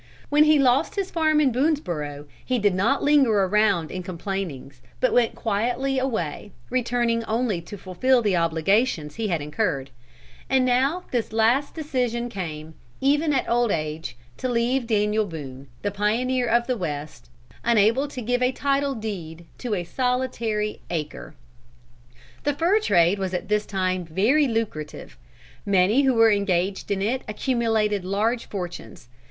When he lost his farm in Boonesborough, he did not linger around in complainings, but went quietly away, returning only to fulfil the obligations he had incurred. And now this last decision came, even at old age, to leave Daniel Boone, the Pioneer of the West, unable to give a title deed to a solitary acre."[G] [Footnote G: Life of Boone, by W. H. Bogart, p. 369.] The fur trade was at this time very lucrative. Many who were engaged in it accumulated large fortunes.